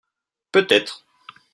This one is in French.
Peut être.